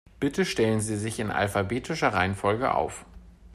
Bitte stellen Sie sich in alphabetischer Reihenfolge auf.